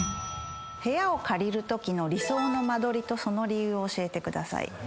部屋を借りるときの理想の間取りとその理由を教えてください。